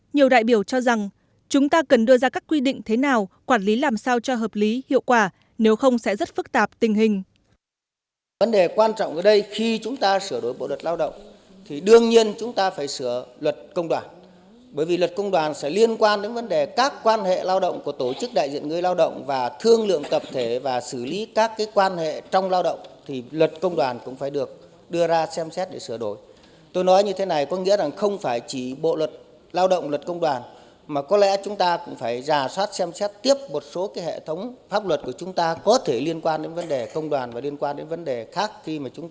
nhiều đại biểu cho rằng chúng ta cần đưa ra các quy định thế nào quản lý làm sao cho hợp lý hiệu quả nếu không sẽ rất phức tạp tình hình